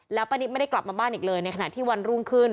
แล้วป้านิตไม่ได้กลับมาบ้านอีกเลยในขณะที่วันรุ่งขึ้น